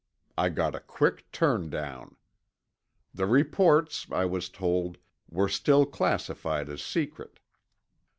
I got a quick turn down. The reports, I was told, were still classified as secret.